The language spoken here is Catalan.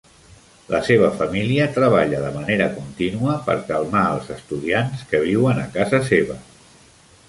La seva família treballa de manera contínua per calmar els estudiants que viuen a casa seva.